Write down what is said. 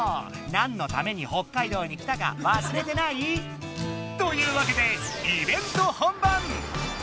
何のために北海道に来たかわすれてない？というわけでイベント本番！